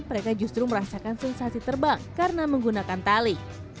mereka justru merasakan sensasi terbang karena menggunakan tali